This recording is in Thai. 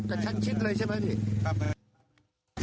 กระชั้นชิดเลยใช่ไหมพี่